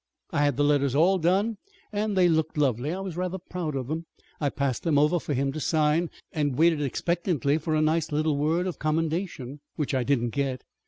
I had the letters all done, and they looked lovely. I was rather proud of them. I passed them over for him to sign, and waited expectantly for a nice little word of commendation which I didn't get."